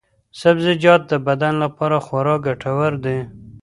سبزیجات د بدن لپاره خورا ګټور دي.